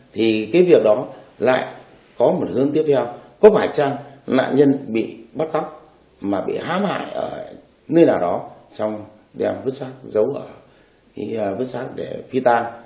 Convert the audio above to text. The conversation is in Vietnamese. thì cái việc đó lại có một hướng tiếp theo có phải rằng nạn nhân bị bắt góc mà bị hám hại ở nơi nào đó xong đem vứt xác giấu vứt xác để phi tan